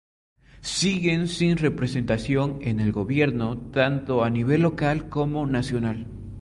Siguen sin representación en el gobierno tanto a nivel local como nacional.